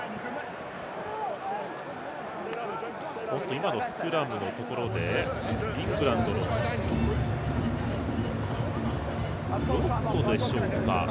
今のスクラムのところでイングランドのロッドでしょうか。